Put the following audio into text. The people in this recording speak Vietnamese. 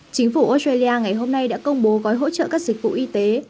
chính phủ australia ngày hôm nay đã công bố gói hỗ trợ các dịch vụ y tế